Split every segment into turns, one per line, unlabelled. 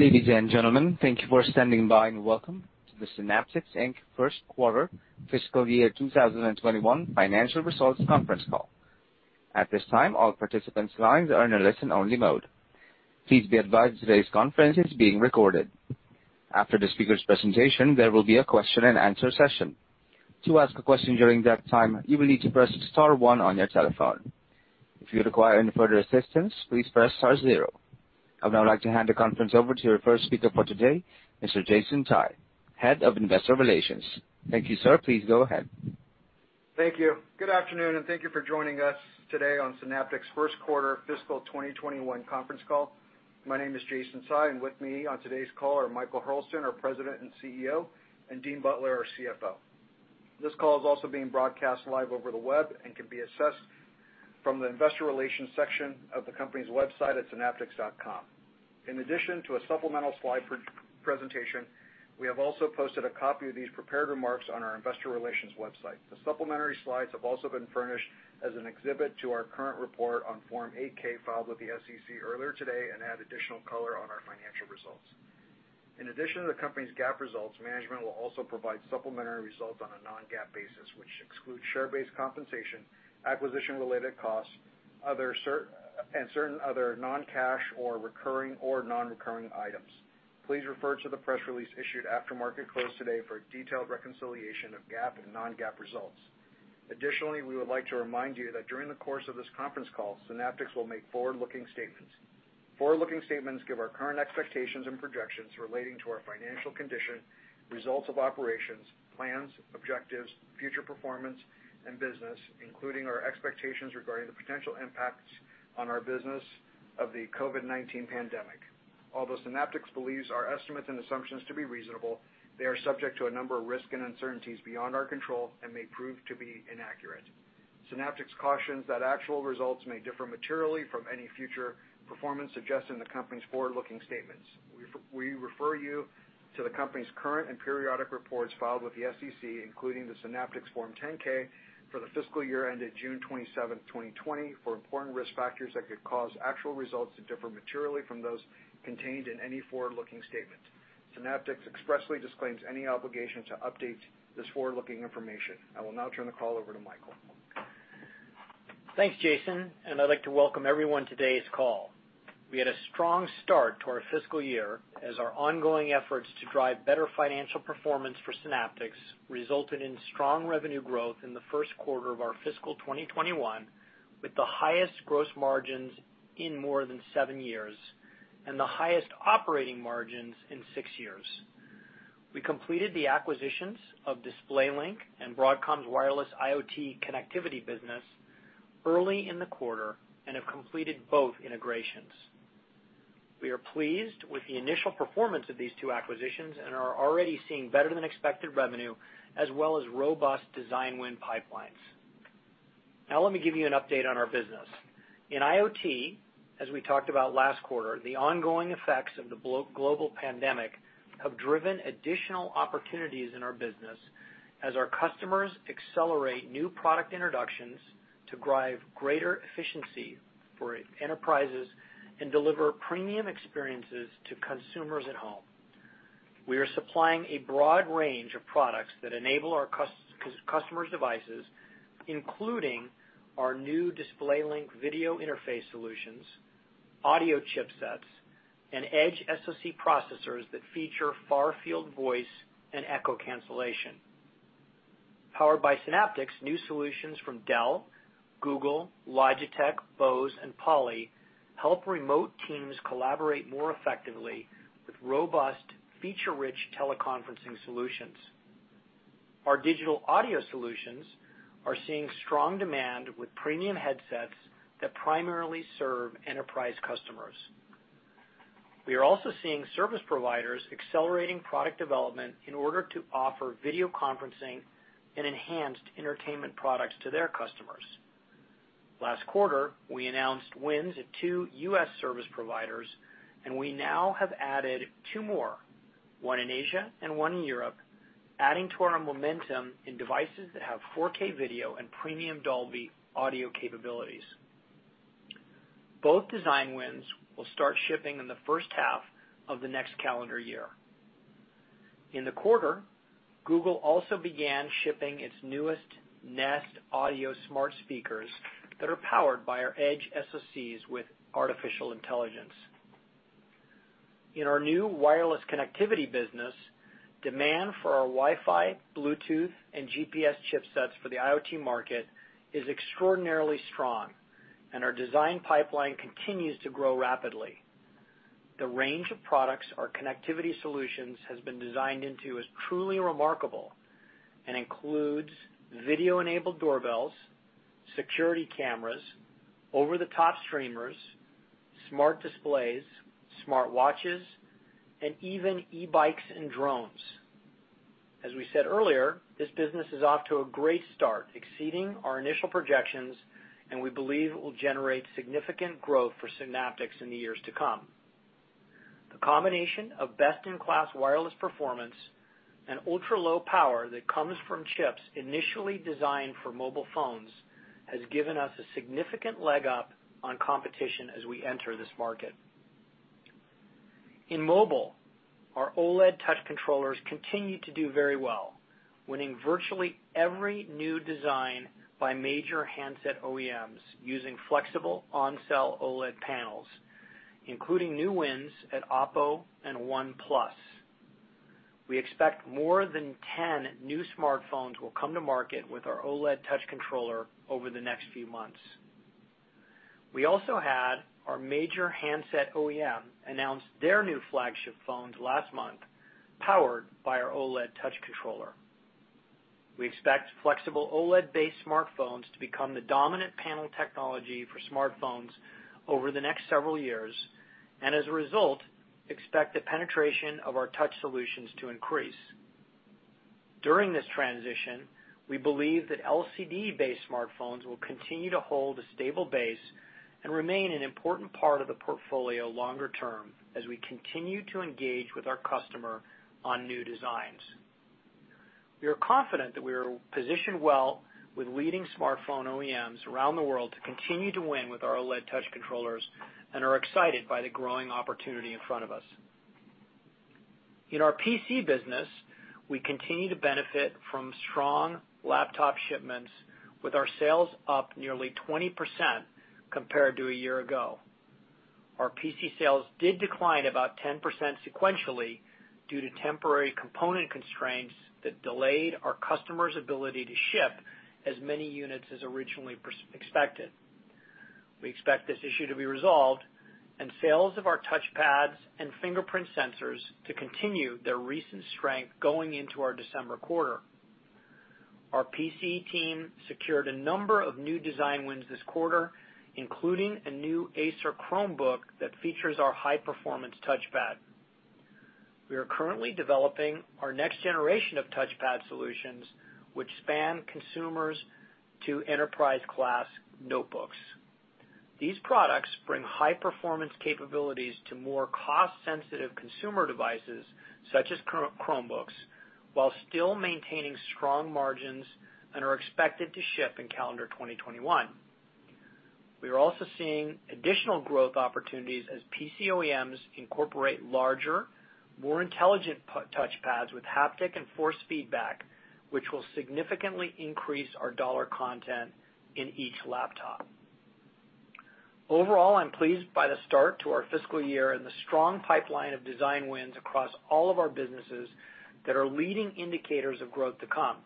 Ladies and gentlemen, thank you for standing by, and welcome to the Synaptics Inc. First Quarter Fiscal Year 2021 Financial Results Conference Call. At this time, all participants' lines are in a listen-only mode. Please be advised today's conference is being recorded. After the speaker's presentation, there will be a question and answer session. To ask a question during that time, you will need to press star one on your telephone. If you require any further assistance, please press star zero. I would now like to hand the conference over to your first speaker for today, Mr. Jason Tsai, Head of Investor Relations. Thank you, sir. Please go ahead.
Thank you. Good afternoon, and thank you for joining us today on Synaptics' First Quarter Fiscal 2021 Conference Call. My name is Jason Tsai, and with me on today's call are Michael Hurlston, our President and CEO, and Dean Butler, our CFO. This call is also being broadcast live over the web and can be accessed from the investor relations section of the company's website at synaptics.com. In addition to a supplemental slide presentation, we have also posted a copy of these prepared remarks on our investor relations website. The supplementary slides have also been furnished as an exhibit to our current report on Form 8-K filed with the SEC earlier today and add additional color on our financial results. In addition to the company's GAAP results, management will also provide supplementary results on a non-GAAP basis, which excludes share-based compensation, acquisition-related costs, and certain other non-cash or recurring or non-recurring items. Please refer to the press release issued after market close today for a detailed reconciliation of GAAP and non-GAAP results. Additionally, we would like to remind you that during the course of this conference call, Synaptics will make forward-looking statements. Forward-looking statements give our current expectations and projections relating to our financial condition, results of operations, plans, objectives, future performance, and business, including our expectations regarding the potential impacts on our business of the COVID-19 pandemic. Although Synaptics believes our estimates and assumptions to be reasonable, they are subject to a number of risks and uncertainties beyond our control and may prove to be inaccurate. Synaptics cautions that actual results may differ materially from any future performance suggested in the company's forward-looking statements. We refer you to the company's current and periodic reports filed with the SEC, including the Synaptics Form 10-K for the fiscal year ended June 27th, 2020, for important risk factors that could cause actual results to differ materially from those contained in any forward-looking statement. Synaptics expressly disclaims any obligation to update this forward-looking information. I will now turn the call over to Michael.
Thanks, Jason. I'd like to welcome everyone to today's call. We had a strong start to our fiscal year as our ongoing efforts to drive better financial performance for Synaptics resulted in strong revenue growth in the first quarter of our fiscal 2021, with the highest gross margins in more than seven years and the highest operating margins in six years. We completed the acquisitions of DisplayLink and Broadcom's wireless IoT connectivity business early in the quarter and have completed both integrations. We are pleased with the initial performance of these two acquisitions and are already seeing better than expected revenue as well as robust design win pipelines. Let me give you an update on our business. In IoT, as we talked about last quarter, the ongoing effects of the global pandemic have driven additional opportunities in our business as our customers accelerate new product introductions to drive greater efficiency for enterprises and deliver premium experiences to consumers at home. We are supplying a broad range of products that enable our customers' devices, including our new DisplayLink video interface solutions, audio chipsets, and edge SoC processors that feature far-field voice and echo cancellation. Powered by Synaptics, new solutions from Dell, Google, Logitech, Bose, and Poly help remote teams collaborate more effectively with robust, feature-rich teleconferencing solutions. Our digital audio solutions are seeing strong demand with premium headsets that primarily serve enterprise customers. We are also seeing service providers accelerating product development in order to offer video conferencing and enhanced entertainment products to their customers. Last quarter, we announced wins at two U.S. service providers, and we now have added two more, one in Asia and one in Europe, adding to our momentum in devices that have 4K video and premium Dolby audio capabilities. Both design wins will start shipping in the first half of the next calendar year. In the quarter, Google also began shipping its newest Nest Audio smart speakers that are powered by our edge SoCs with artificial intelligence. In our new wireless connectivity business, demand for our Wi-Fi, Bluetooth, and GPS chipsets for the IoT market is extraordinarily strong, and our design pipeline continues to grow rapidly. The range of products our connectivity solutions has been designed into is truly remarkable and includes video-enabled doorbells, security cameras, over-the-top streamers, smart displays, smartwatches, and even e-bikes and drones. As we said earlier, this business is off to a great start, exceeding our initial projections, and we believe it will generate significant growth for Synaptics in the years to come. The combination of best-in-class wireless performance and ultra-low power that comes from chips initially designed for mobile phones, has given us a significant leg up on competition as we enter this market. In mobile, our OLED touch controllers continue to do very well, winning virtually every new design by major handset OEMs using flexible on-cell OLED panels, including new wins at OPPO and OnePlus. We expect more than 10 new smartphones will come to market with our OLED touch controller over the next few months. We also had our major handset OEM announce their new flagship phones last month, powered by our OLED touch controller. We expect flexible OLED-based smartphones to become the dominant panel technology for smartphones over the next several years, and as a result, expect the penetration of our touch solutions to increase. During this transition, we believe that LCD-based smartphones will continue to hold a stable base and remain an important part of the portfolio longer term as we continue to engage with our customer on new designs. We are confident that we are positioned well with leading smartphone OEMs around the world to continue to win with our OLED touch controllers, and are excited by the growing opportunity in front of us. In our PC business, we continue to benefit from strong laptop shipments, with our sales up nearly 20% compared to a year ago. Our PC sales did decline about 10% sequentially due to temporary component constraints that delayed our customers' ability to ship as many units as originally expected. We expect this issue to be resolved, and sales of our touch pads and fingerprint sensors to continue their recent strength going into our December quarter. Our PC team secured a number of new design wins this quarter, including a new Acer Chromebook that features our high-performance touchpad. We are currently developing our next generation of touchpad solutions, which span consumers to enterprise class notebooks. These products bring high-performance capabilities to more cost-sensitive consumer devices, such as Chromebooks, while still maintaining strong margins and are expected to ship in calendar 2021. We are also seeing additional growth opportunities as PC OEMs incorporate larger, more intelligent touchpads with haptic and force feedback, which will significantly increase our dollar content in each laptop. Overall, I'm pleased by the start to our fiscal year and the strong pipeline of design wins across all of our businesses that are leading indicators of growth to come.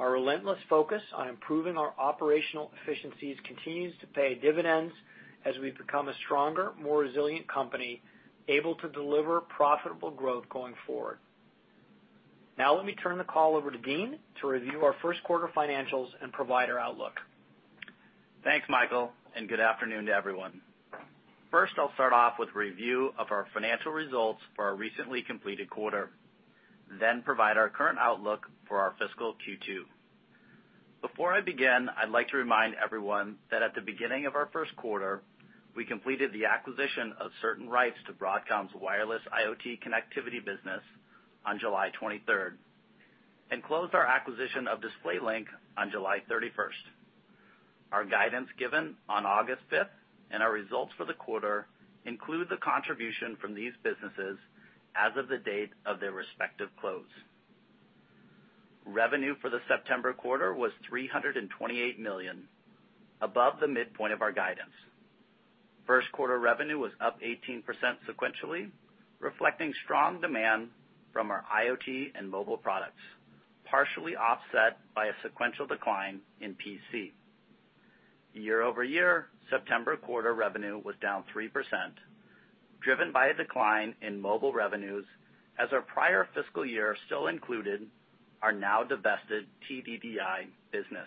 Our relentless focus on improving our operational efficiencies continues to pay dividends as we become a stronger, more resilient company, able to deliver profitable growth going forward. Now let me turn the call over to Dean to review our first quarter financials and provide our outlook.
Thanks, Michael, and good afternoon to everyone. First, I'll start off with a review of our financial results for our recently completed quarter, then provide our current outlook for our fiscal Q2. Before I begin, I'd like to remind everyone that at the beginning of our first quarter, we completed the acquisition of certain rights to Broadcom's wireless IoT connectivity business on July 23rd, and closed our acquisition of DisplayLink on July 31st. Our guidance given on August 5th, and our results for the quarter, include the contribution from these businesses as of the date of their respective close. Revenue for the September quarter was $328 million, above the midpoint of our guidance. First quarter revenue was up 18% sequentially, reflecting strong demand from our IoT and mobile products, partially offset by a sequential decline in PC. Year-over-year, September quarter revenue was down 3%, driven by a decline in mobile revenues as our prior fiscal year still included our now-divested TDDI business.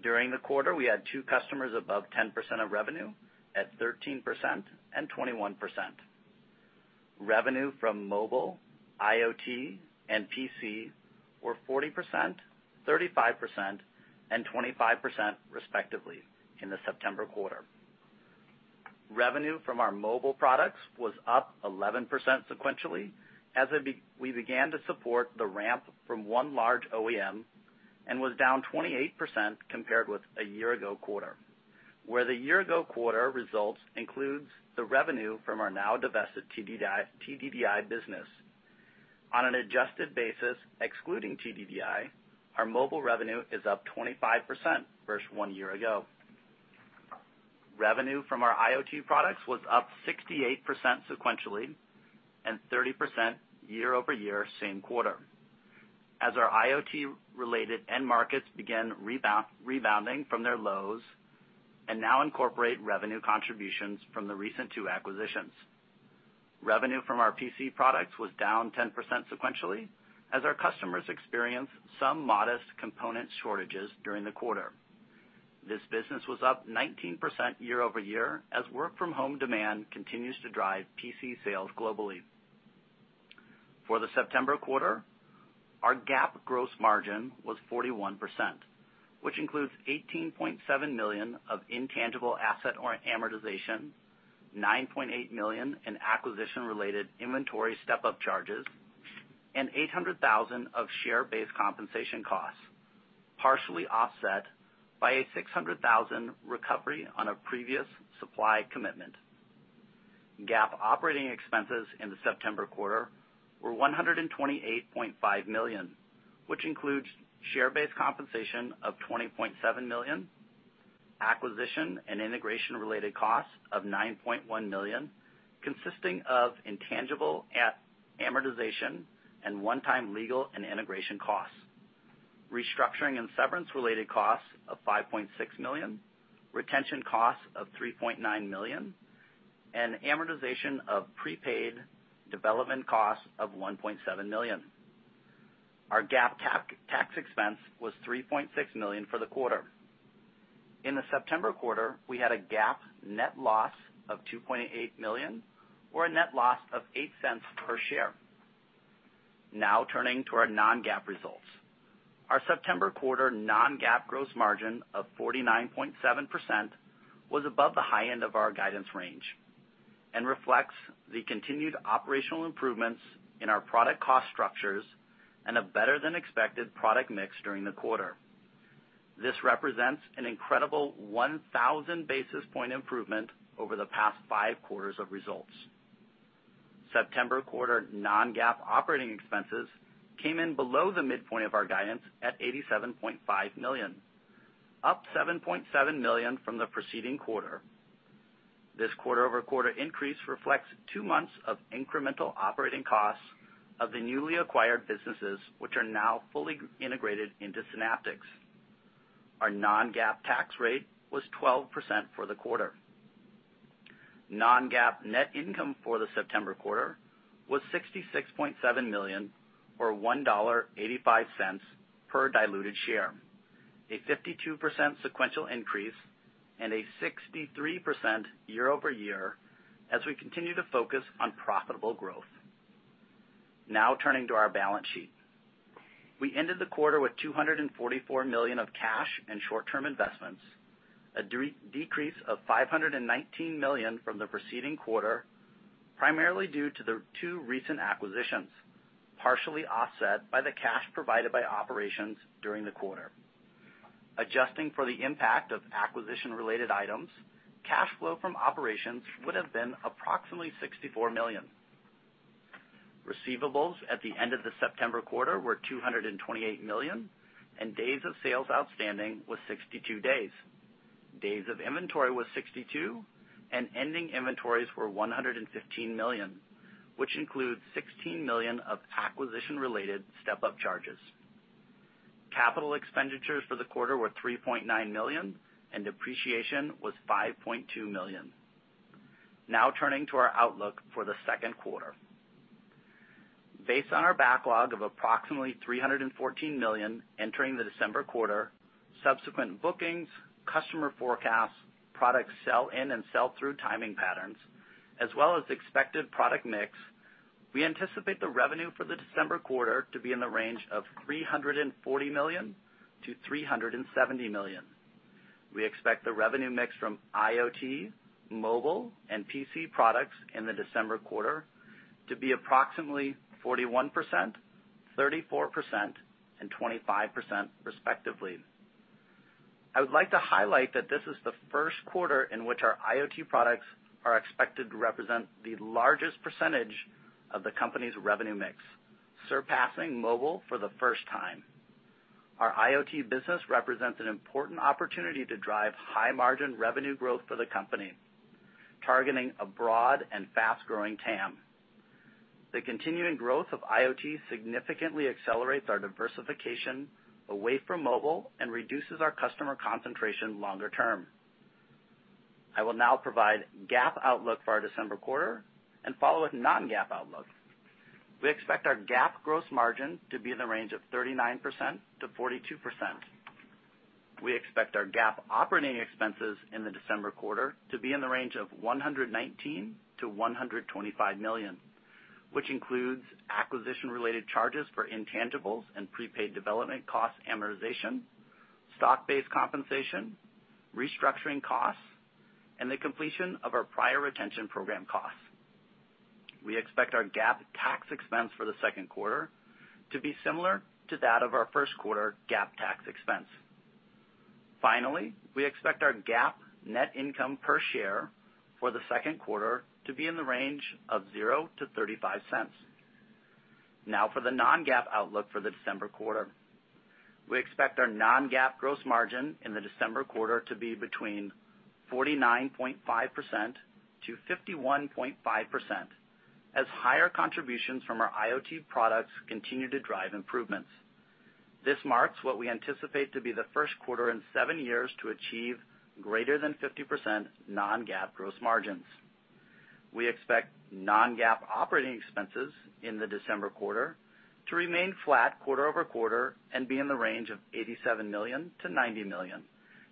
During the quarter, we had two customers above 10% of revenue at 13% and 21%. Revenue from mobile, IoT, and PC were 40%, 35%, and 25% respectively in the September quarter. Revenue from our mobile products was up 11% sequentially as we began to support the ramp from one large OEM, and was down 28% compared with a year-ago quarter, where the year-ago quarter results includes the revenue from our now divested TDDI business. On an adjusted basis, excluding TDDI, our mobile revenue is up 25% versus one year ago. Revenue from our IoT products was up 68% sequentially and 30% year-over-year same quarter, as our IoT related end markets began rebounding from their lows and now incorporate revenue contributions from the recent two acquisitions. Revenue from our PC products was down 10% sequentially as our customers experienced some modest component shortages during the quarter. This business was up 19% year-over-year as work from home demand continues to drive PC sales globally. For the September quarter, our GAAP gross margin was 41%, which includes $18.7 million of intangible asset or amortization, $9.8 million in acquisition-related inventory step-up charges, and $800,000 of share-based compensation costs, partially offset by a $600,000 recovery on a previous supply commitment. GAAP operating expenses in the September quarter were $128.5 million, which includes share-based compensation of $20.7 million, acquisition and integration related costs of $9.1 million, consisting of intangible amortization and one-time legal and integration costs, restructuring and severance-related costs of $5.6 million, retention costs of $3.9 million, and amortization of prepaid development costs of $1.7 million. Our GAAP tax expense was $3.6 million for the quarter. In the September quarter, we had a GAAP net loss of $2.8 million or a net loss of $0.08 per share. Now turning to our non-GAAP results. Our September quarter non-GAAP gross margin of 49.7% was above the high end of our guidance range and reflects the continued operational improvements in our product cost structures and a better than expected product mix during the quarter. This represents an incredible 1,000 basis point improvement over the past five quarters of results. September quarter non-GAAP operating expenses came in below the midpoint of our guidance at $87.5 million, up $7.7 million from the preceding quarter. This quarter-over-quarter increase reflects two months of incremental operating costs of the newly acquired businesses, which are now fully integrated into Synaptics. Our non-GAAP tax rate was 12% for the quarter. Non-GAAP net income for the September quarter was $66.7 million or $1.85 per diluted share, a 52% sequential increase and a 63% year-over-year as we continue to focus on profitable growth. Now turning to our balance sheet. We ended the quarter with $244 million of cash and short-term investments, a decrease of $519 million from the preceding quarter, primarily due to the two recent acquisitions, partially offset by the cash provided by operations during the quarter. Adjusting for the impact of acquisition-related items, cash flow from operations would have been approximately $64 million. Receivables at the end of the September quarter were $228 million, and days of sales outstanding was 62 days. Days of inventory was 62, and ending inventories were $115 million, which includes $16 million of acquisition-related step-up charges. Capital expenditures for the quarter were $3.9 million, and depreciation was $5.2 million. Now turning to our outlook for the second quarter. Based on our backlog of approximately $314 million entering the December quarter, subsequent bookings, customer forecasts, product sell-in and sell-through timing patterns, as well as expected product mix, we anticipate the revenue for the December quarter to be in the range of $340 million-$370 million. We expect the revenue mix from IoT, mobile, and PC products in the December quarter to be approximately 41%, 34%, and 25% respectively. I would like to highlight that this is the first quarter in which our IoT products are expected to represent the largest percentage of the company's revenue mix, surpassing mobile for the first time. Our IoT business represents an important opportunity to drive high margin revenue growth for the company, targeting a broad and fast-growing TAM. The continuing growth of IoT significantly accelerates our diversification away from mobile and reduces our customer concentration longer term. I will now provide GAAP outlook for our December quarter and follow with non-GAAP outlook. We expect our GAAP gross margin to be in the range of 39%-42%. We expect our GAAP operating expenses in the December quarter to be in the range of $119 million-$125 million, which includes acquisition-related charges for intangibles and prepaid development costs amortization, stock-based compensation, restructuring costs, and the completion of our prior retention program costs. We expect our GAAP tax expense for the second quarter to be similar to that of our first quarter GAAP tax expense. We expect our GAAP net income per share for the second quarter to be in the range of zero to $0.35. For the non-GAAP outlook for the December quarter. We expect our non-GAAP gross margin in the December quarter to be between 49.5%-51.5% as higher contributions from our IoT products continue to drive improvements. This marks what we anticipate to be the first quarter in seven years to achieve greater than 50% non-GAAP gross margins. We expect non-GAAP operating expenses in the December quarter to remain flat quarter-over-quarter and be in the range of $87 million-$90 million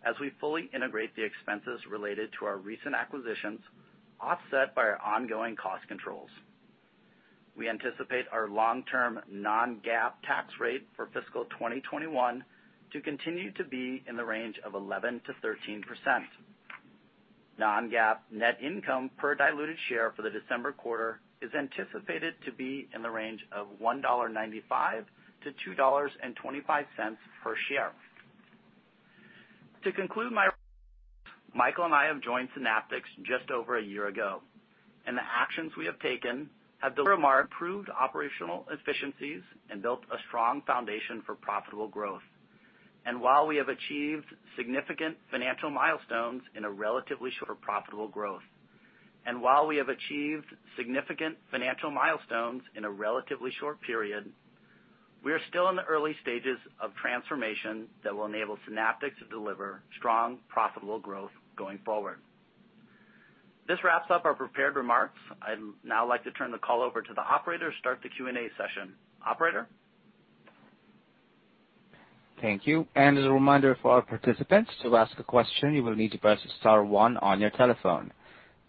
as we fully integrate the expenses related to our recent acquisitions Offset by our ongoing cost controls. We anticipate our long-term non-GAAP tax rate for fiscal 2021 to continue to be in the range of 11%-13%. Non-GAAP net income per diluted share for the December quarter is anticipated to be in the range of $1.95-$2.25 per share. To conclude Michael and I have joined Synaptics just over one year ago, and the actions we have taken have delivered improved operational efficiencies and built a strong foundation for profitable growth. While we have achieved significant financial milestones in a relatively short period, we are still in the early stages of transformation that will enable Synaptics to deliver strong profitable growth going forward. This wraps up our prepared remarks.
I'd now like to turn the call over to the operator to start the Q&A session. Operator?
Thank you. As a reminder for our participants, to ask a question, you will need to press star one on your telephone.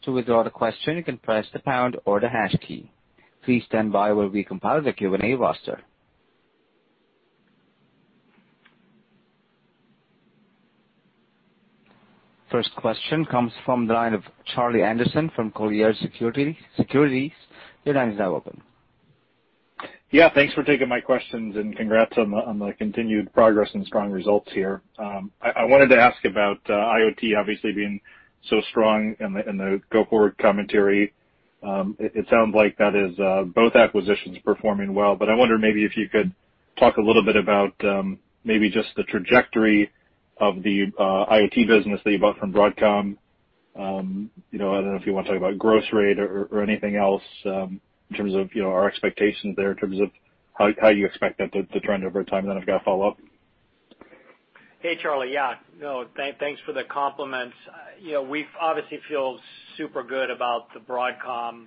To withdraw the question, you can press the pound or the hash key. Please stand by while we compile the Q&A roster. First question comes from the line of Charlie Anderson from [Cowen Securities.] Your line is now open.
Yeah. Thanks for taking my questions. Congrats on the continued progress and strong results here. I wanted to ask about IoT obviously being so strong in the go forward commentary. It sounds like that is both acquisitions performing well, but I wonder maybe if you could talk a little bit about maybe just the trajectory of the IoT business that you bought from Broadcom. I don't know if you want to talk about gross rate or anything else in terms of our expectations there, in terms of how you expect that to trend over time. I've got a follow-up.
Hey, Charlie. Yeah. No, thanks for the compliments. We obviously feel super good about the Broadcom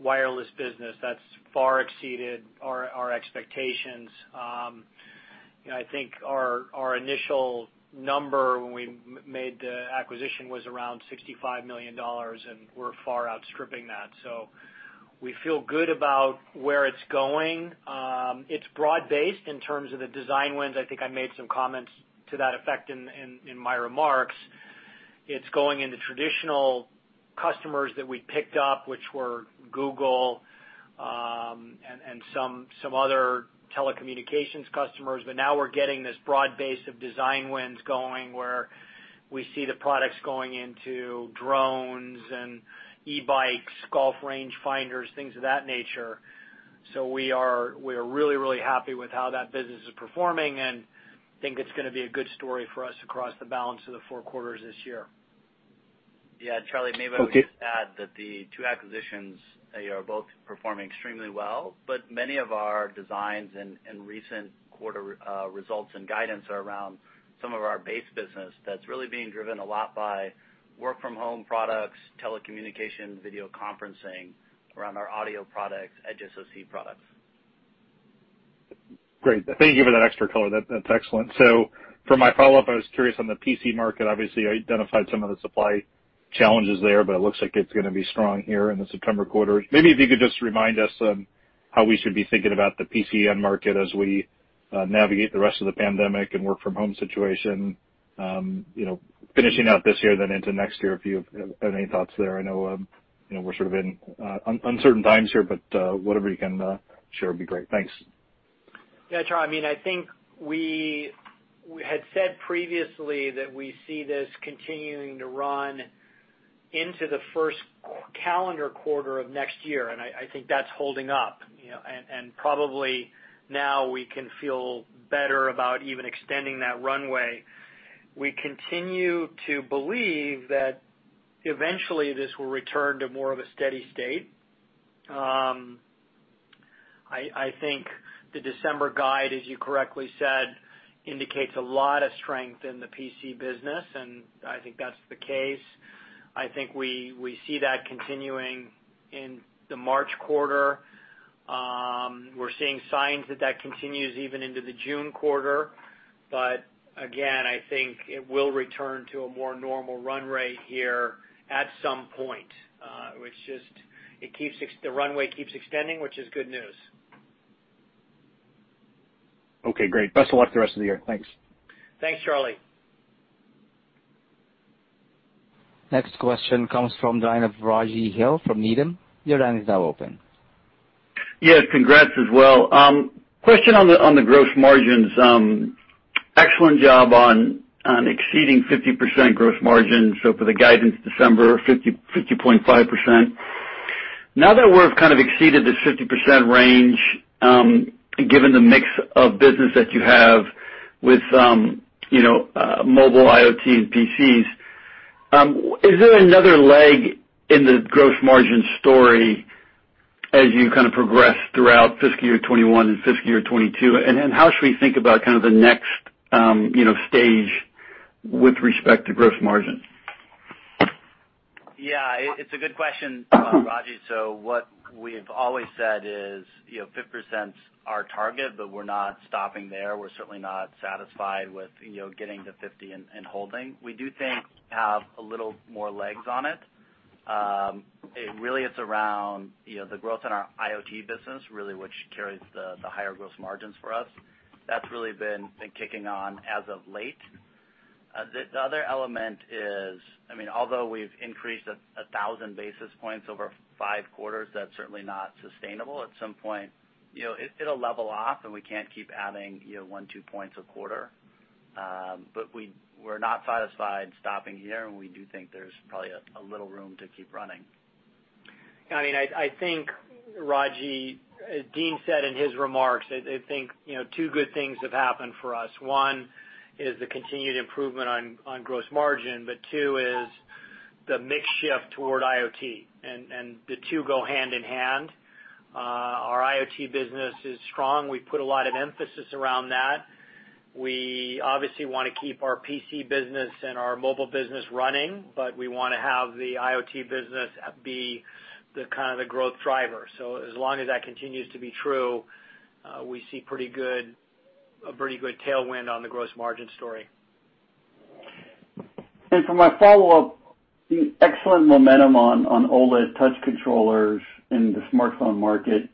wireless business. That's far exceeded our expectations. I think our initial number when we made the acquisition was around $65 million, and we're far outstripping that. We feel good about where it's going. It's broad-based in terms of the design wins. I think I made some comments to that effect in my remarks. It's going into traditional customers that we picked up, which were Google, and some other telecommunications customers. Now we're getting this broad base of design wins going, where we see the products going into drones and e-bikes, golf range finders, things of that nature. We are really, really happy with how that business is performing, and think it's going to be a good story for us across the balance of the four quarters this year.
Yeah. Charlie, maybe I'll just add that the two acquisitions are both performing extremely well, but many of our designs and recent quarter results and guidance are around some of our base business that's really being driven a lot by work from home products, telecommunication, video conferencing around our audio products, Edge SoC products.
Great. Thank you for that extra color. That's excellent. For my follow-up, I was curious on the PC market. Obviously, you identified some of the supply challenges there, but it looks like it's going to be strong here in the September quarter. Maybe if you could just remind us on how we should be thinking about the PC market as we navigate the rest of the pandemic and work from home situation, finishing out this year, then into next year, if you have any thoughts there. I know we're sort of in uncertain times here, whatever you can share would be great. Thanks.
Charlie. I think we had said previously that we see this continuing to run into the first calendar quarter of next year. I think that's holding up. Probably now we can feel better about even extending that runway. We continue to believe that eventually this will return to more of a steady state. I think the December guide, as you correctly said, indicates a lot of strength in the PC business. I think that's the case. I think we see that continuing in the March quarter. We're seeing signs that that continues even into the June quarter. Again, I think it will return to a more normal run rate here at some point. It's just the runway keeps extending, which is good news.
Okay, great. Best of luck the rest of the year. Thanks.
Thanks, Charlie.
Next question comes from the line of Raji Gill from Needham. Your line is now open.
Yes, congrats as well. Question on the gross margins. Excellent job on exceeding 50% gross margin. For the guidance December 50.5%. Now that we've kind of exceeded this 50% range, given the mix of business that you have with mobile, IoT, and PCs, is there another leg in the gross margin story as you kind of progress throughout fiscal year 2021 and fiscal year 2022? How should we think about kind of the next stage with respect to gross margin?
Yeah. It's a good question, Raji. What we've always said is 50%'s our target, but we're not stopping there. We're certainly not satisfied with getting to 50 and holding. We do think we have a little more legs on it. It really is around the growth in our IoT business, really, which carries the higher gross margins for us. That's really been kicking on as of late. The other element is, although we've increased 1,000 basis points over five quarters, that's certainly not sustainable. At some point, it'll level off and we can't keep adding one, two points a quarter. We're not satisfied stopping here, and we do think there's probably a little room to keep running.
I think, Raji, as Dean said in his remarks, I think two good things have happened for us. One is the continued improvement on gross margin, two is the mix shift toward IoT. The two go hand in hand. Our IoT business is strong. We put a lot of emphasis around that. We obviously want to keep our PC business and our mobile business running. We want to have the IoT business be the kind of the growth driver. As long as that continues to be true, we see a pretty good tailwind on the gross margin story.
For my follow-up, the excellent momentum on OLED touch controllers in the smartphone market.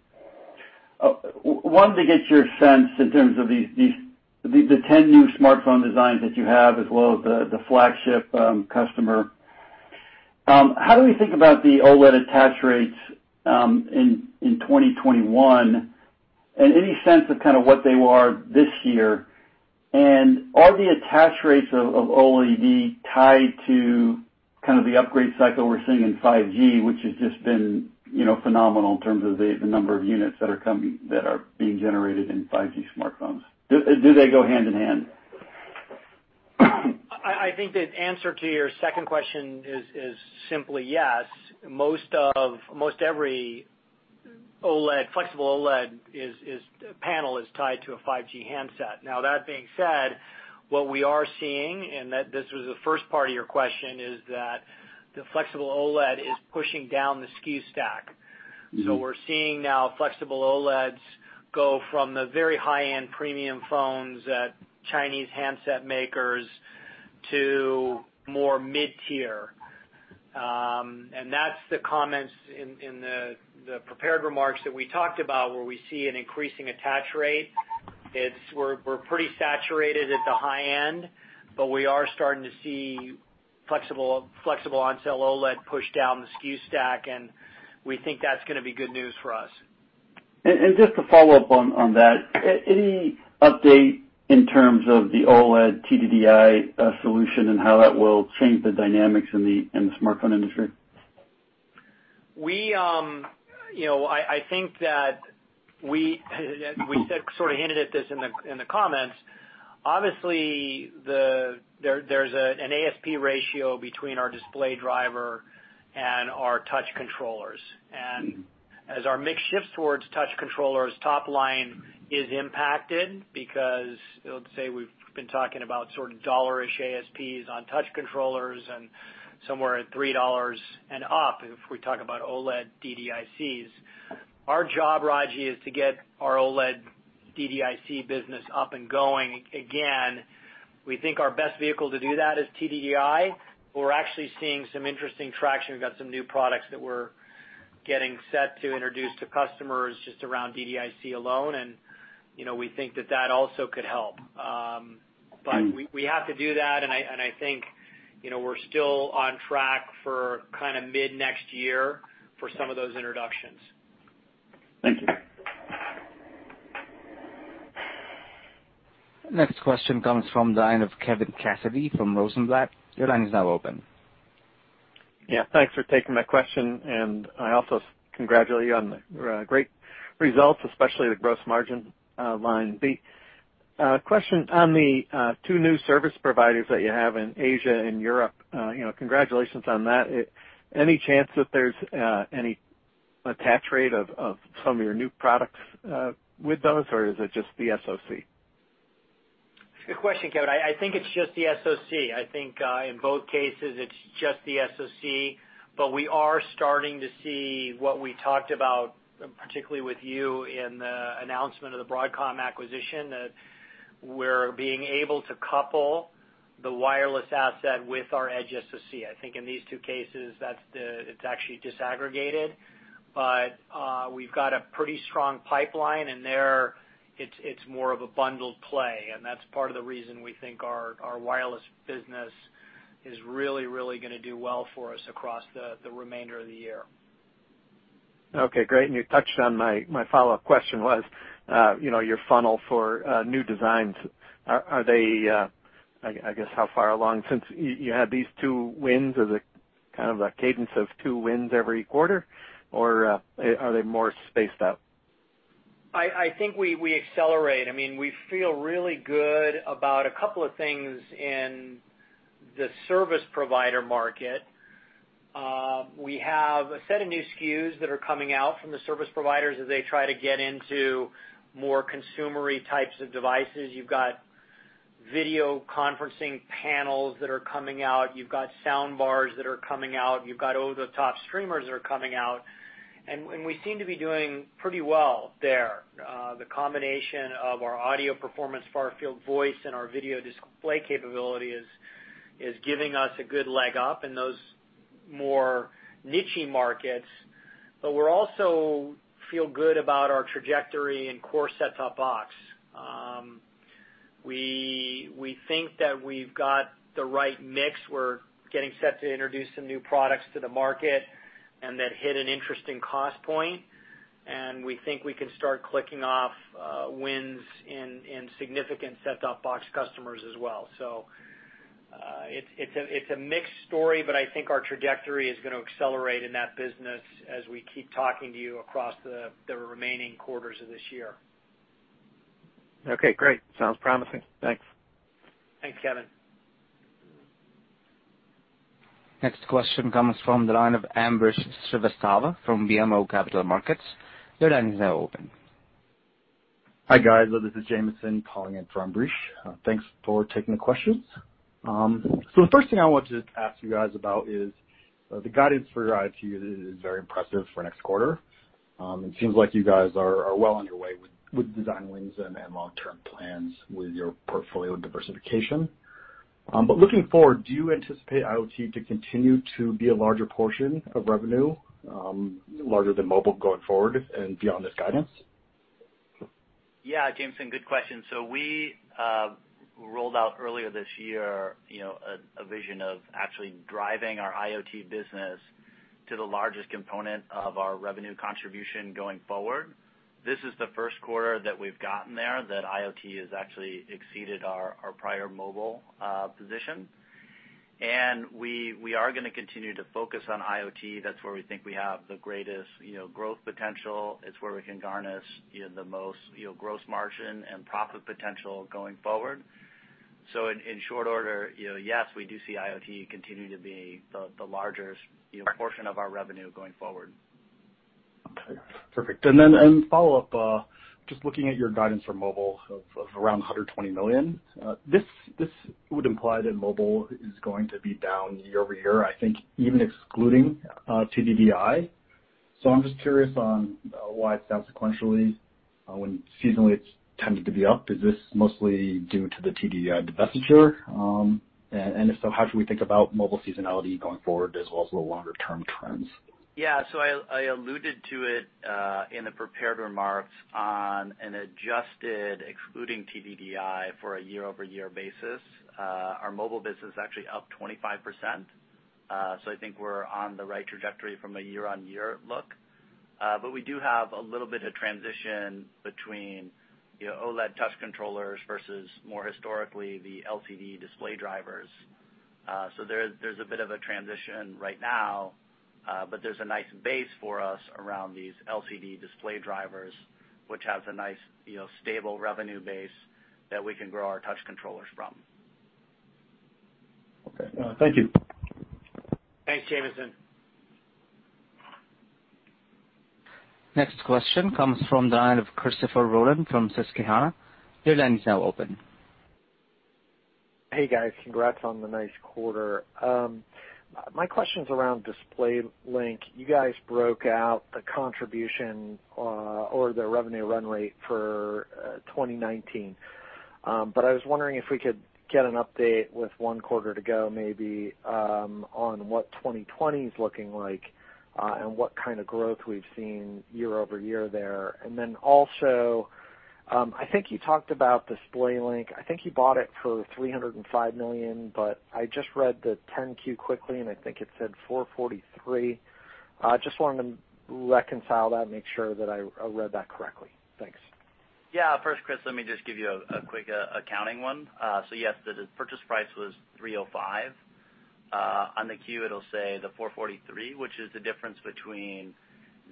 I wanted to get your sense in terms of the 10 new smartphone designs that you have as well as the flagship customer. How do we think about the OLED attach rates in 2021, and any sense of kind of what they were this year? Are the attach rates of OLED tied to kind of the upgrade cycle we're seeing in 5G, which has just been phenomenal in terms of the number of units that are being generated in 5G smartphones. Do they go hand in hand?
I think the answer to your second question is simply yes. Most every flexible OLED panel is tied to a 5G handset. That being said, what we are seeing, and this was the first part of your question, is that the flexible OLED is pushing down the SKU stack. We're seeing now flexible OLEDs go from the very high-end premium phones at Chinese handset makers to more mid-tier. That's the comments in the prepared remarks that we talked about, where we see an increasing attach rate. We're pretty saturated at the high end, but we are starting to see flexible on-cell OLED push down the SKU stack, and we think that's going to be good news for us.
Just to follow up on that, any update in terms of the OLED TDDI solution and how that will change the dynamics in the smartphone industry?
I think that we sort of hinted at this in the comments. Obviously, there's an ASP ratio between our display driver and our touch controllers. As our mix shifts towards touch controllers, top line is impacted because, let's say, we've been talking about sort of $1-ish ASPs on touch controllers and somewhere at $3 and up if we talk about OLED DDICs. Our job, Raji, is to get our OLED DDIC business up and going again. We think our best vehicle to do that is TDDI. We're actually seeing some interesting traction. We've got some new products that we're getting set to introduce to customers just around DDIC alone, and we think that that also could help. We have to do that, and I think we're still on track for mid next year for some of those introductions.
Thank you.
Next question comes from the line of Kevin Cassidy from Rosenblatt. Your line is now open.
Yeah, thanks for taking my question, and I also congratulate you on the great results, especially the gross margin line. The question on the two new service providers that you have in Asia and Europe, congratulations on that. Any chance that there's any attach rate of some of your new products with those, or is it just the SoC?
Good question, Kevin. I think it's just the SoC. I think in both cases, it's just the SoC, but we are starting to see what we talked about, particularly with you in the announcement of the Broadcom acquisition, that we're being able to couple the wireless asset with our edge SoC. I think in these two cases, it's actually disaggregated. We've got a pretty strong pipeline, and there it's more of a bundled play, and that's part of the reason we think our wireless business is really going to do well for us across the remainder of the year.
Okay, great. You touched on my follow-up question was, your funnel for new designs. I guess how far along, since you had these two wins, is it kind of a cadence of two wins every quarter, or are they more spaced out?
I think we accelerate. We feel really good about a couple of things in the service provider market. We have a set of new SKUs that are coming out from the service providers as they try to get into more consumer-y types of devices. You've got video conferencing panels that are coming out. You've got sound bars that are coming out. You've got over-the-top streamers that are coming out. We seem to be doing pretty well there. The combination of our audio performance, far-field voice, and our video display capability is giving us a good leg up in those more niche markets. We also feel good about our trajectory in core set-top box. We think that we've got the right mix. We're getting set to introduce some new products to the market, and that hit an interesting cost point, and we think we can start clicking off wins in significant set-top box customers as well. It's a mixed story, but I think our trajectory is going to accelerate in that business as we keep talking to you across the remaining quarters of this year.
Okay, great. Sounds promising. Thanks.
Thanks, Kevin.
Next question comes from the line of Ambrish Srivastava from BMO Capital Markets. Your line is now open.
Hi, guys. This is Jamison calling in for Ambrish. Thanks for taking the questions. The first thing I wanted to ask you guys about is the guidance for IoT is very impressive for next quarter. It seems like you guys are well on your way with design wins and long-term plans with your portfolio diversification. Looking forward, do you anticipate IoT to continue to be a larger portion of revenue, larger than mobile going forward and beyond this guidance?
Yeah, Jamison, good question. We rolled out earlier this year a vision of actually driving our IoT business to the largest component of our revenue contribution going forward. This is the first quarter that we've gotten there, that IoT has actually exceeded our prior mobile position. We are going to continue to focus on IoT. That's where we think we have the greatest growth potential. It's where we can garner the most gross margin and profit potential going forward. In short order, yes, we do see IoT continuing to be the larger portion of our revenue going forward.
Okay, perfect. In follow-up, just looking at your guidance for mobile of around $120 million, this would imply that mobile is going to be down year-over-year, I think even excluding TDDI. I'm just curious on why it's down sequentially when seasonally it's tended to be up. Is this mostly due to the TDDI divestiture? If so, how should we think about mobile seasonality going forward as also longer-term trends?
I alluded to it in the prepared remarks on an adjusted excluding TDDI for a year-over-year basis. Our mobile business is actually up 25%, I think we're on the right trajectory from a year-on-year look. We do have a little bit of transition between OLED touch controllers versus, more historically, the LCD display drivers. There's a bit of a transition right now, there's a nice base for us around these LCD display drivers, which has a nice stable revenue base that we can grow our touch controllers from.
Okay. Thank you.
Thanks, Jamison.
Next question comes from the line of Christopher Rolland from Susquehanna. Your line is now open.
Hey, guys. Congrats on the nice quarter. My question's around DisplayLink. You guys broke out the contribution or the revenue run rate for 2019. I was wondering if we could get an update with one quarter to go, maybe on what 2020's looking like and what kind of growth we've seen year-over-year there. I think you talked about DisplayLink. I think you bought it for $305 million, but I just read the 10-Q quickly, and I think it said $443. Just wanted to reconcile that and make sure that I read that correctly. Thanks.
Yeah. First, Chris, let me just give you a quick accounting one. Yes, the purchase price was $305. On the Q, it'll say the $443, which is the difference between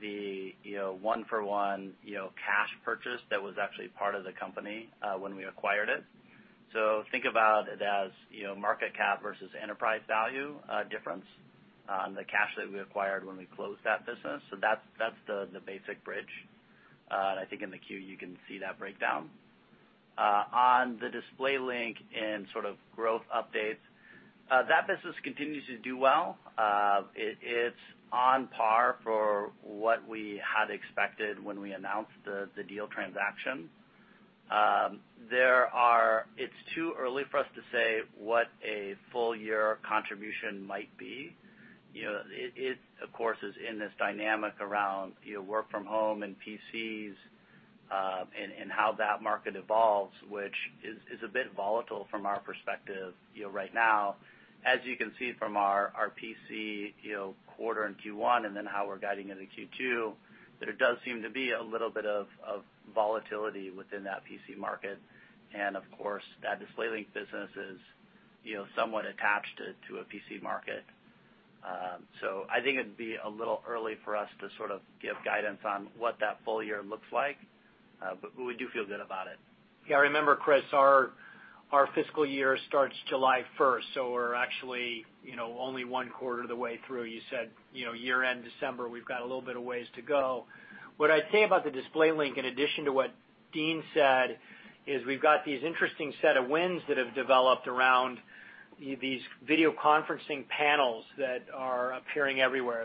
the one-for-one cash purchase that was actually part of the company when we acquired it. Think about it as market cap versus enterprise value difference on the cash that we acquired when we closed that business. That's the basic bridge. I think in the Q, you can see that breakdown. On the DisplayLink and sort of growth updates, that business continues to do well. It's on par for what we had expected when we announced the deal transaction. It's too early for us to say what a full-year contribution might be. It, of course, is in this dynamic around work from home and PCs, and how that market evolves, which is a bit volatile from our perspective right now. As you can see from our PC quarter in Q1 and then how we're guiding into Q2, there does seem to be a little bit of volatility within that PC market. Of course, that DisplayLink business is somewhat attached to a PC market. I think it'd be a little early for us to sort of give guidance on what that full year looks like. We do feel good about it.
Yeah, remember, Chris, our fiscal year starts July 1st, so we're actually only one quarter of the way through. You said year-end December, we've got a little bit of ways to go. What I'd say about the DisplayLink, in addition to what Dean said, is we've got these interesting set of wins that have developed around these video conferencing panels that are appearing everywhere.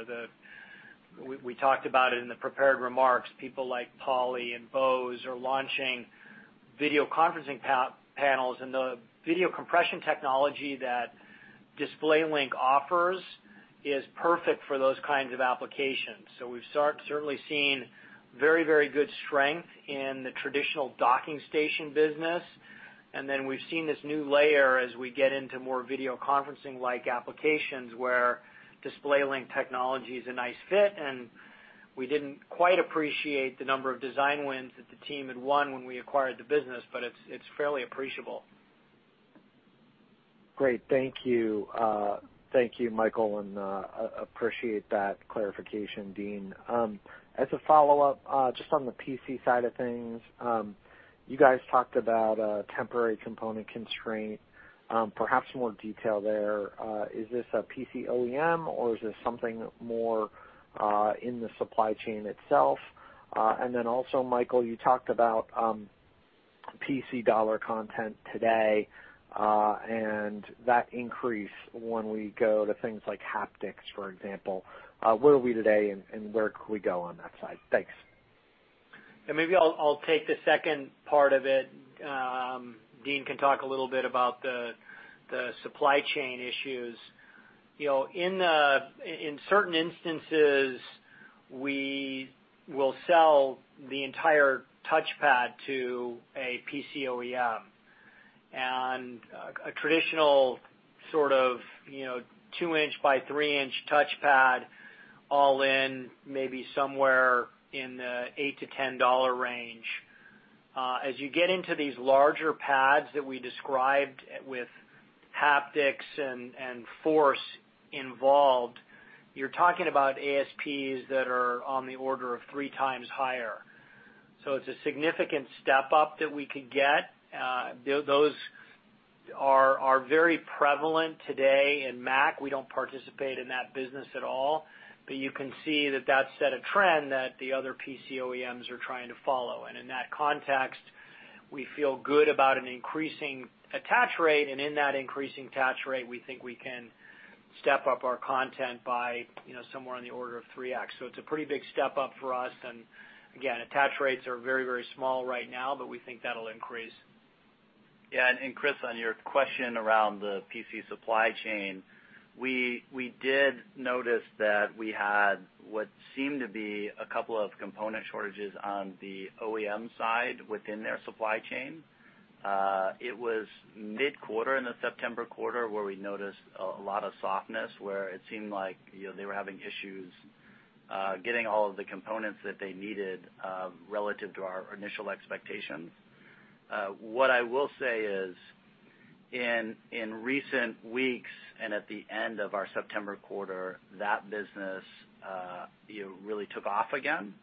We talked about it in the prepared remarks. People like Poly and Bose are launching video conferencing panels, and the video compression technology that DisplayLink offers is perfect for those kinds of applications. We've certainly seen very good strength in the traditional docking station business, and then we've seen this new layer as we get into more video conferencing-like applications, where DisplayLink technology is a nice fit, and we didn't quite appreciate the number of design wins that the team had won when we acquired the business, but it's fairly appreciable.
Great. Thank you, Michael. Appreciate that clarification, Dean. As a follow-up, just on the PC side of things, you guys talked about a temporary component constraint. Perhaps more detail there. Is this a PC OEM or is this something more in the supply chain itself? Also, Michael, you talked about PC dollar content today, and that increase when we go to things like haptics, for example. Where are we today, and where could we go on that side? Thanks.
Maybe I'll take the second part of it. Dean can talk a little bit about the supply chain issues. In certain instances, we will sell the entire touchpad to a PC OEM, and a traditional two-inch by three-inch touchpad all in maybe somewhere in the $8-$10 range. As you get into these larger pads that we described with haptics and force involved, you're talking about ASPs that are on the order of three times higher. It's a significant step up that we could get. Those are very prevalent today in Mac. We don't participate in that business at all. You can see that that set a trend that the other PC OEMs are trying to follow. In that context, we feel good about an increasing attach rate, and in that increasing attach rate, we think we can step up our content by somewhere on the order of 3X. It's a pretty big step up for us. Again, attach rates are very small right now, but we think that'll increase.
Yeah. Chris, on your question around the PC supply chain, we did notice that we had what seemed to be a couple of component shortages on the OEM side within their supply chain. It was mid-quarter in the September quarter where we noticed a lot of softness, where it seemed like they were having issues getting all of the components that they needed, relative to our initial expectations. What I will say is, in recent weeks, and at the end of our September quarter, that business really took off again.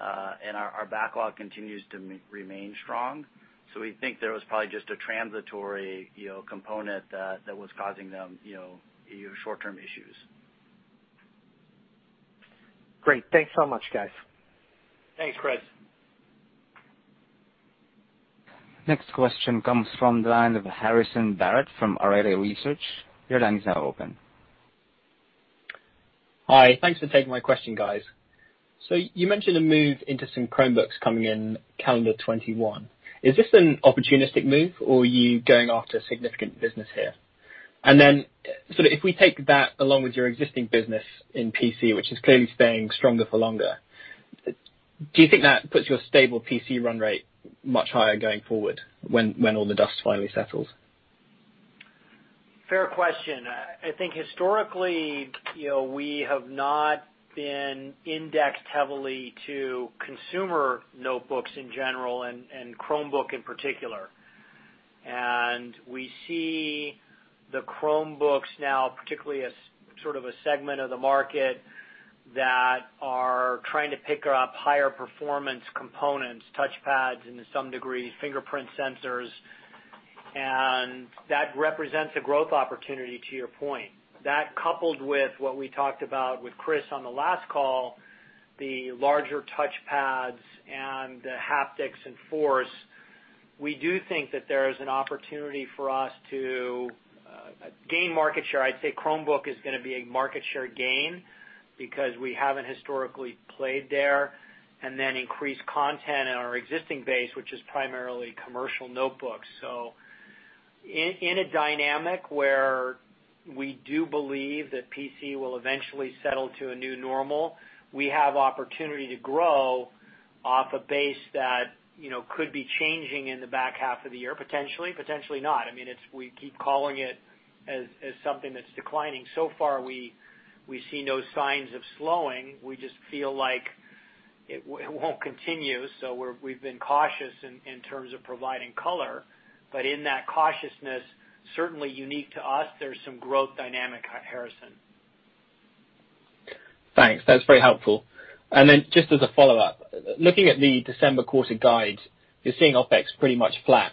Our backlog continues to remain strong. We think there was probably just a transitory component that was causing them short-term issues.
Great. Thanks so much, guys.
Thanks, Chris.
Next question comes from the line of Harrison Barrett from Arete Research. Your line is now open.
Hi. Thanks for taking my question, guys. You mentioned a move into some Chromebooks coming in calendar '21. Is this an opportunistic move, or are you going after significant business here? Then, if we take that along with your existing business in PC, which is clearly staying stronger for longer, do you think that puts your stable PC run rate much higher going forward when all the dust finally settles?
Fair question. I think historically, we have not been indexed heavily to consumer notebooks in general, and Chromebook in particular. We see the Chromebooks now, particularly as sort of a segment of the market that are trying to pick up higher performance components, touchpads, and to some degree, fingerprint sensors. That represents a growth opportunity to your point. That coupled with what we talked about with Chris on the last call, the larger touchpads and the haptics and force, we do think that there is an opportunity for us to gain market share. I'd say Chromebook is going to be a market share gain, because we haven't historically played there, and then increase content in our existing base, which is primarily commercial notebooks. In a dynamic where we do believe that PC will eventually settle to a new normal, we have opportunity to grow off a base that could be changing in the back half of the year, potentially. Potentially not. We keep calling it as something that's declining. So far, we see no signs of slowing. We just feel like it won't continue. We've been cautious in terms of providing color. In that cautiousness, certainly unique to us, there's some growth dynamic, Harrison.
Thanks. That's very helpful. Just as a follow-up, looking at the December quarter guide, you're seeing OpEx pretty much flat.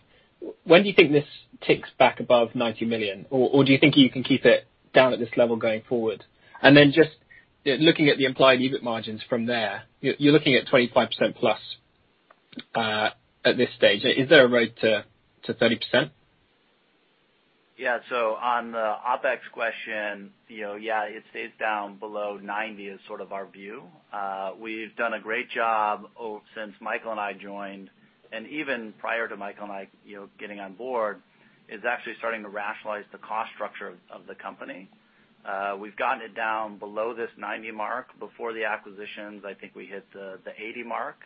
When do you think this ticks back above $90 million? Do you think you can keep it down at this level going forward? Just looking at the implied EBIT margins from there, you're looking at 25%+ at this stage. Is there a road to 30%?
Yeah. On the OpEx question, yeah, it stays down below 90 is sort of our view. We've done a great job since Michael and I joined, and even prior to Michael and I getting on board, is actually starting to rationalize the cost structure of the company. We've gotten it down below this 90 mark. Before the acquisitions, I think we hit the 80 mark.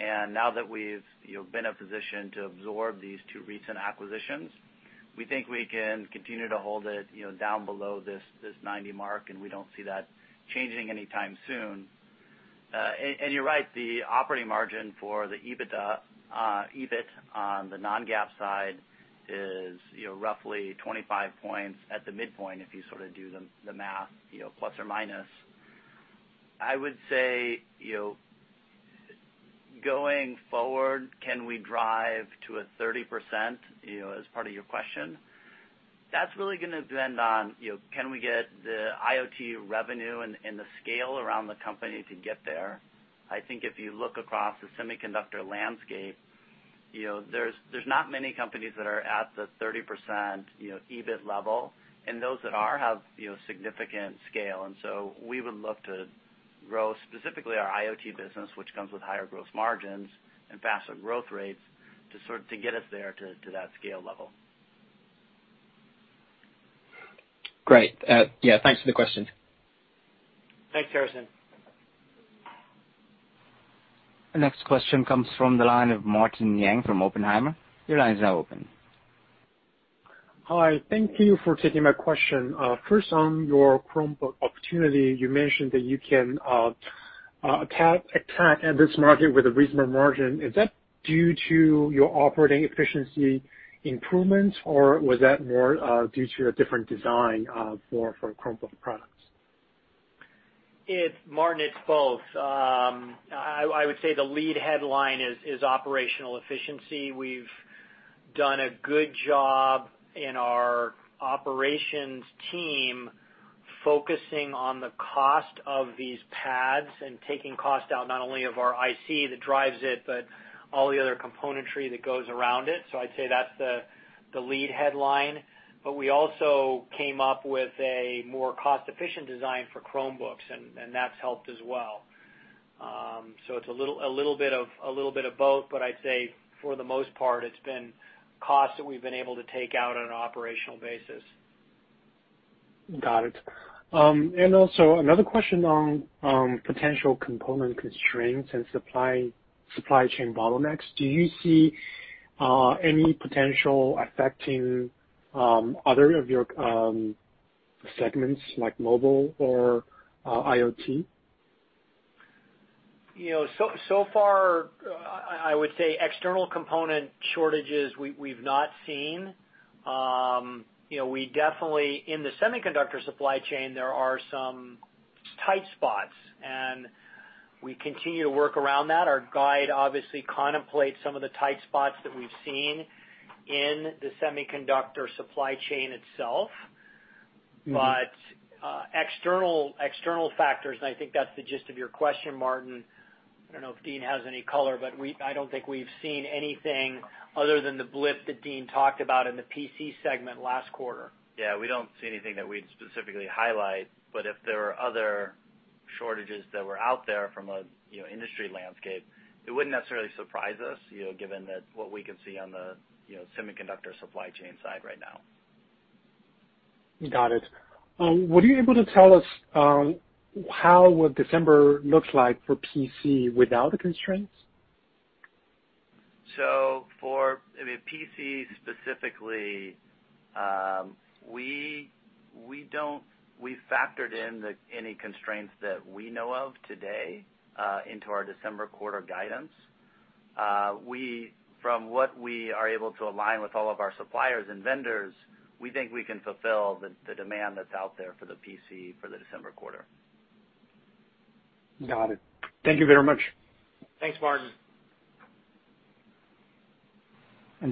Now that we've been in a position to absorb these two recent acquisitions, we think we can continue to hold it down below this 90 mark, and we don't see that changing anytime soon. You're right, the operating margin for the EBIT on the non-GAAP side is roughly 25 points at the midpoint, if you sort of do the math, plus and minus. I would say, going forward, can we drive to a 30%, as part of your question? That's really going to depend on can we get the IoT revenue and the scale around the company to get there. I think if you look across the semiconductor landscape, there's not many companies that are at the 30% EBIT level, and those that are have significant scale. We would look to grow specifically our IoT business, which comes with higher gross margins and faster growth rates to get us there to that scale level.
Great. Yeah, thanks for the question.
Thanks, Harrison.
The next question comes from the line of Martin Yang from Oppenheimer. Your line is now open.
Hi. Thank you for taking my question. First, on your Chromebook opportunity, you mentioned that you can attack this market with a reasonable margin. Is that due to your operating efficiency improvements, or was that more due to your different design for Chromebook products?
Martin, it's both. I would say the lead headline is operational efficiency. We've done a good job in our operations team focusing on the cost of these pads and taking cost out not only of our IC that drives it, but all the other componentry that goes around it. I'd say that's the lead headline. We also came up with a more cost-efficient design for Chromebooks, and that's helped as well. It's a little bit of both, but I'd say for the most part, it's been cost that we've been able to take out on an operational basis.
Got it. Also, another question on potential component constraints and supply chain bottlenecks, do you see any potential affecting other of your segments, like mobile or IoT?
Far, I would say external component shortages, we've not seen. In the semiconductor supply chain, there are some tight spots, and we continue to work around that. Our guide obviously contemplates some of the tight spots that we've seen in the semiconductor supply chain itself. External factors, and I think that's the gist of your question, Martin. I don't know if Dean has any color, but I don't think we've seen anything other than the blip that Dean talked about in the PC segment last quarter.
Yeah, we don't see anything that we'd specifically highlight. If there are other shortages that were out there from an industry landscape, it wouldn't necessarily surprise us, given what we can see on the semiconductor supply chain side right now.
Got it. Were you able to tell us how would December look like for PC without the constraints?
For PC specifically, we factored in any constraints that we know of today into our December quarter guidance. From what we are able to align with all of our suppliers and vendors, we think we can fulfill the demand that's out there for the PC for the December quarter.
Got it. Thank you very much.
Thanks, Martin.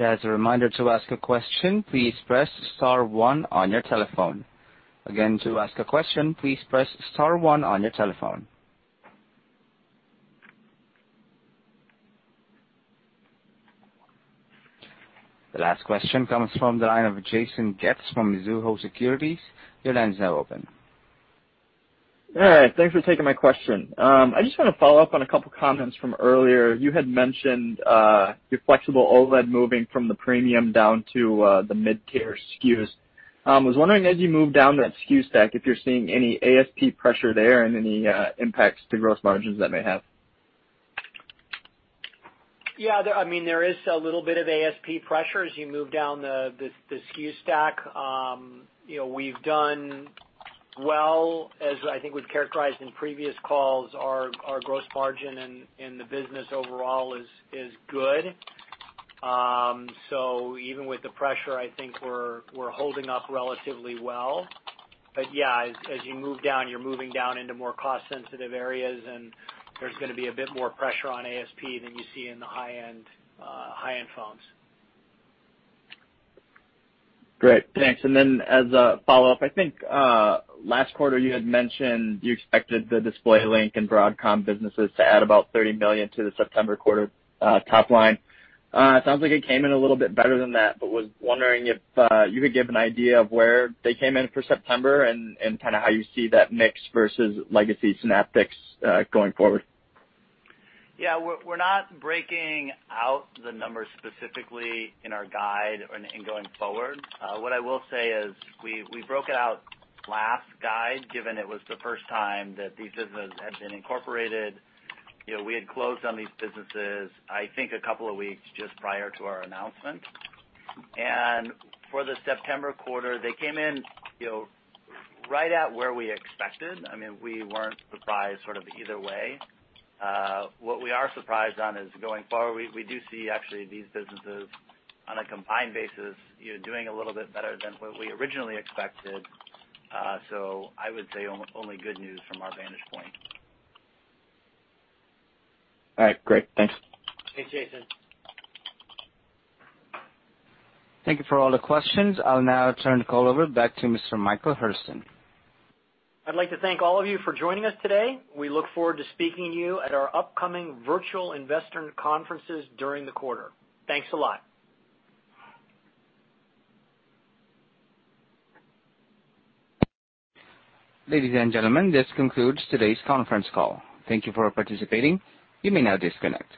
As a reminder, to ask a question, please press star one on your telephone. Again, to ask a question, please press star one on your telephone. The last question comes from the line of Jason Getz from Mizuho Securities. Your line is now open.
Hey, thanks for taking my question. I just want to follow up on a couple of comments from earlier. You had mentioned your flexible OLED moving from the premium down to the mid-tier SKUs. I was wondering as you move down that SKU stack, if you're seeing any ASP pressure there and any impacts to gross margins that may have.
Yeah. There is a little bit of ASP pressure as you move down the SKU stack. We've done well, as I think we've characterized in previous calls, our gross margin in the business overall is good. Even with the pressure, I think we're holding up relatively well. Yeah, as you move down, you're moving down into more cost-sensitive areas, and there's going to be a bit more pressure on ASP than you see in the high-end phones.
Great. Thanks. As a follow-up, I think last quarter you had mentioned you expected the DisplayLink and Broadcom businesses to add about $30 million to the September quarter top line. It sounds like it came in a little bit better than that, was wondering if you could give an idea of where they came in for September and kind of how you see that mix versus legacy Synaptics going forward.
Yeah, we're not breaking out the numbers specifically in our guide and going forward. What I will say is we broke it out last guide, given it was the first time that these businesses had been incorporated. We had closed on these businesses, I think a couple of weeks just prior to our announcement. For the September quarter, they came in right at where we expected. We weren't surprised sort of either way. What we are surprised on is going forward, we do see actually these businesses on a combined basis doing a little bit better than what we originally expected. I would say only good news from our vantage point.
All right, great. Thanks.
Thanks, Jason.
Thank you for all the questions. I'll now turn the call over back to Mr. Michael Hurlston.
I'd like to thank all of you for joining us today. We look forward to speaking to you at our upcoming virtual investor conferences during the quarter. Thanks a lot.
Ladies and gentlemen, this concludes today's conference call. Thank you for participating. You may now disconnect.